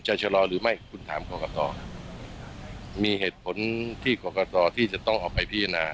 จะชะลอหรือไม่คุณถามมีเหตุผลที่ที่จะต้องออกไปพิจารณา